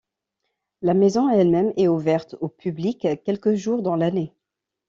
La maison elle-même est ouverte au public quelques jours dans l'année.